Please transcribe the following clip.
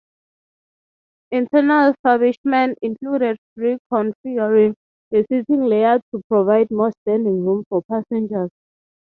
Internal refurbishment included reconfiguring the seating layout to provide more standing room for passengers.